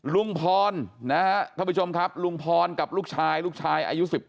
ลุงพลนะครับไปชมครับลุงพลกับลูกชาย